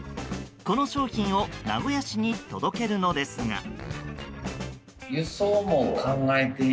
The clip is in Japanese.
この商品を名古屋市に届けるのですが。